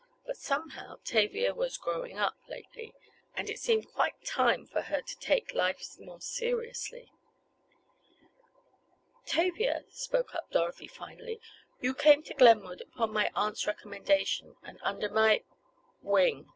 But, somehow, Tavia, was "growing up," lately, and it seemed quite time for her to take life more seriously. "Tavia," spoke up Dorothy finally, "you came to Glenwood upon my aunt's recommendation, and under my—" "Wing!"